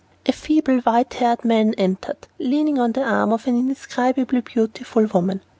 A feeble, white haired old man entered, leaning on the arm of an indescribably beautiful woman.